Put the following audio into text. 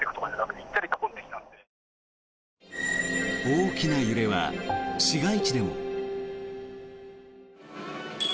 大きな揺れは市街地でも。